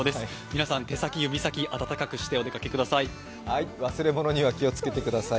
皆さん、手先、指先、暖かくしてお出かけください。